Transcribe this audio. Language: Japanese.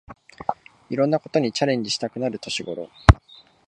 いろんなことにチャレンジしたくなる年ごろ